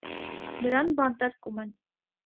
Նրան բանտարկում են։